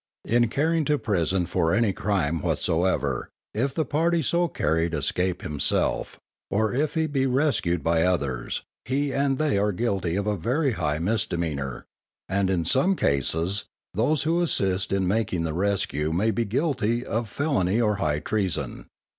In carrying to prison for any crime whatsoever, if the party so carried escape himself, or if he be rescued by others, he and they are guilty of a very high misdemeanor, and in some cases, those who assist in making the rescue may be guilty of felony or high treason.